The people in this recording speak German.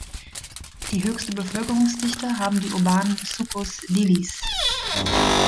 Die höchste Bevölkerungsdichte haben die urbanen Sucos Dilis.